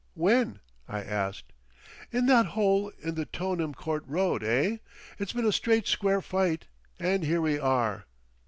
—when?" I asked. "In that hole in the To'nem Court Road, eh? It's been a Straight Square Fight, and here we are!"